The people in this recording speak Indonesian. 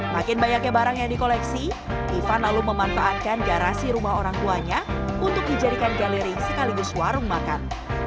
makin banyaknya barang yang dikoleksi ivan lalu memanfaatkan garasi rumah orang tuanya untuk dijadikan galeri sekaligus warung makan